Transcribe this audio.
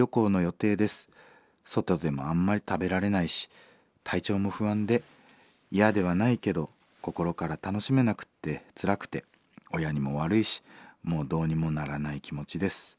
外でもあんまり食べられないし体調も不安で嫌ではないけど心から楽しめなくってつらくて親にも悪いしもうどうにもならない気持ちです。